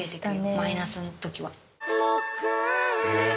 マイナスのときは。